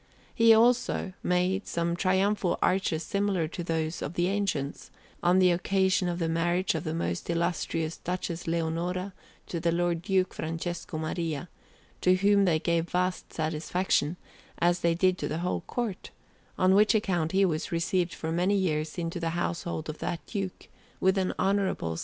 He made, also, some triumphal arches similar to those of the ancients, on the occasion of the marriage of the most illustrious Duchess Leonora to the Lord Duke Francesco Maria, to whom they gave vast satisfaction, as they did to the whole Court; on which account he was received for many years into the household of that Duke, with an honourable salary.